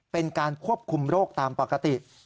เป็นการควบคุมโรคตามปกติ